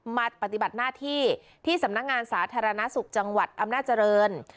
ปฏิบัติหน้าที่ที่สำนักงานสาธารณสุขจังหวัดอำนาจริง